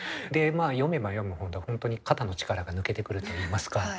で読めば読むほど本当に肩の力が抜けてくるといいますか。